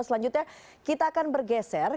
selanjutnya kita akan bergeser